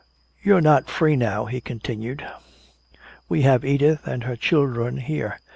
"You're not free now," he continued. "We have Edith and her children here.